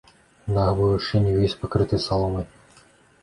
Дах быў яшчэ не ўвесь пакрыты саломай.